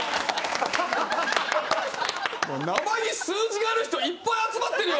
名前に数字がある人いっぱい集まってるよ。